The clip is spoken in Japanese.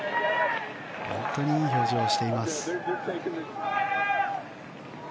本当にいい表情をしています。